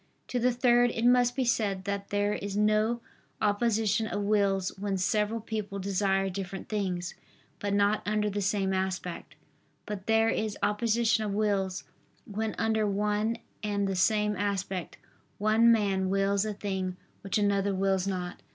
To the third, it must be said that there is no opposition of wills when several people desire different things, but not under the same aspect: but there is opposition of wills, when under one and the same aspect, one man wills a thing which another wills not.